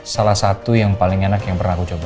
salah satu yang paling enak yang pernah aku coba